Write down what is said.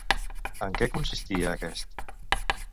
En què consistia aquest?